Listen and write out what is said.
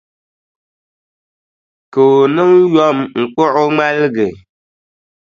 Ka o niŋ yom n-kpuɣi o ŋmaligi.